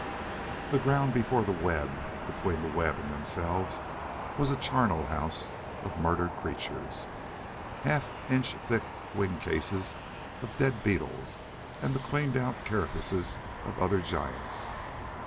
The ground before the web, between the web and themselves was a charnel house of murdered creatures. Half inch thick wing cases of dead beetles and the cleaned out carapaces of other giants.